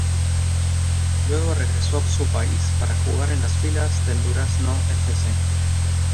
Luego regresó a su país para jugar en las filas del Durazno F. C..